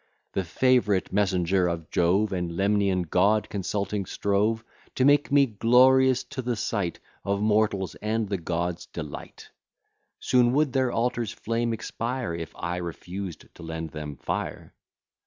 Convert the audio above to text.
The favourite messenger of Jove, And Lemnian god, consulting strove To make me glorious to the sight Of mortals, and the gods' delight. Soon would their altar's flame expire If I refused to lend them fire.